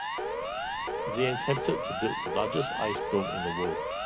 They attempted to build the largest ice dome in the world.